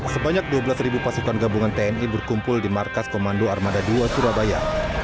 sebanyak dua belas pasukan gabungan tni berkumpul di markas komando armada dua surabaya